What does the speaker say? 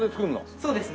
そうですね。